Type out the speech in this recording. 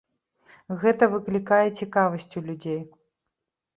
Гэта выклікае цікавасць у людзей.